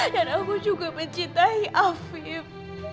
dan aku juga mencintai afim